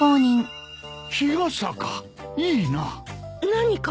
何か？